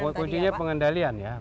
persis itu kuncinya pengendalian ya